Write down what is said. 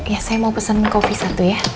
ya saya mau pesen kopi satu ya